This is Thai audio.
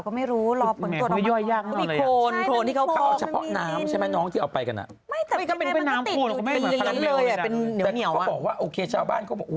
ก็ไม่รู้รอผลตรวจออกมา